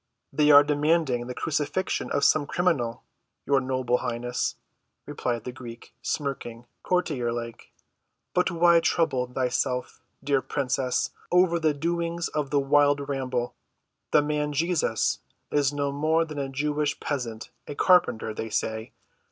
"They are demanding the crucifixion of some criminal, your noble highness," replied the Greek, smirking courtier‐like. "But why trouble thyself, dear princess, over the doings of the wild rabble? The man, Jesus, is no more than a Jewish peasant—a carpenter, they say.